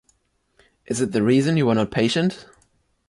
Is it the reason you were not patient?